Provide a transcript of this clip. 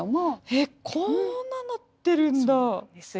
えこんななってるんだ！